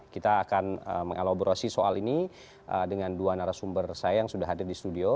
kita akan mengelaborasi soal ini dengan dua narasumber saya yang sudah hadir di studio